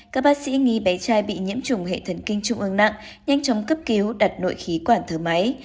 các bác sĩ nghi bé trai bị nhiễm chủng hệ thần kinh trung ương nặng nhanh chóng cấp cứu đặt nội khí quản thở máy